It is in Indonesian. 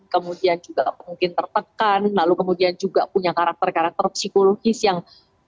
kemudian juga mungkin tertekan lalu kemudian juga punya karakter karakter psikologis yang